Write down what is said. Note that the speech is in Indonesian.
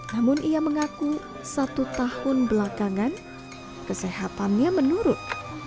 namun ia mengaku satu tahun belakangan kesehatannya menurun